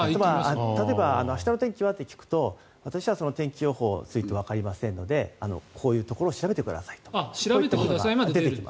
例えば、明日の天気というと私は天気予報についてわかりませんのでこういうところを調べてくださいと出てきます。